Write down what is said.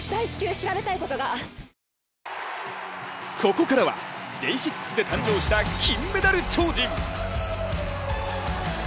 ここからはＤＡＹ６で誕生した金メダル超人。